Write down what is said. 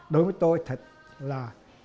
đối với tôi thật là